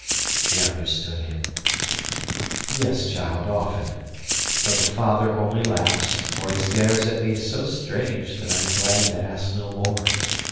She understood him. "Yes, child, often. But the father only laughs, or he stares at me so strange that I am glad to ask no more.